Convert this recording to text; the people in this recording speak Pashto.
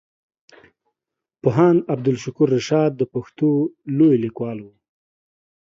پوهاند عبدالشکور رشاد د پښتو لوی ليکوال وو.